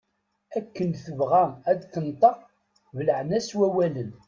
Akken tebɣa ad d-tenṭeq belɛen-as wawalen.